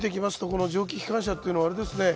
この蒸気機関車というのはあれですね